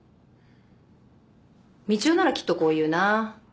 みちおならきっとこう言うな。